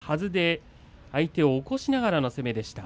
左のはずで相手を起こしながらの攻めでした。